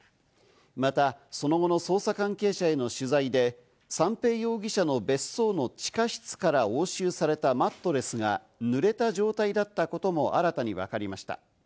また、その後の捜査関係者への取材で三瓶容疑者の別荘の地下室から押収されたマットレスが濡れた状態だったことも新たに分かりました。